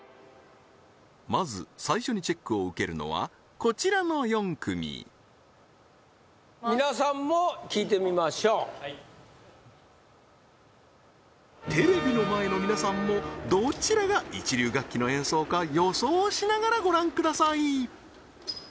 まず最初にチェックを受けるのはこちらの４組はいテレビの前の皆さんもどちらが一流楽器の演奏か予想しながらご覧ください